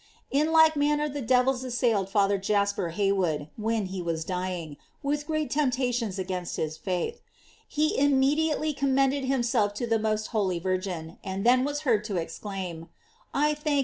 "J In like manner, the devils assailed Father Jasper Hay wood, when he was dying, with great temptations against faith; he immediately com mended himself to the most holy Virgin, and then was heard to exclaim: "I thank thee, oh Mary, that thou hast come to my aid."